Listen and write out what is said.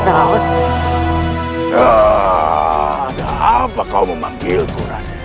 ada apa kau memanggilku raden